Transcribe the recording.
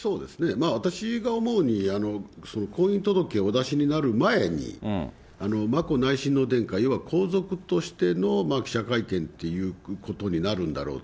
まあ、私が思うに、婚姻届をお出しになる前に、眞子内親王殿下、要は皇族としての記者会見ということになるんだろうと。